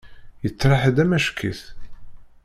Yettriḥ-d amack-it.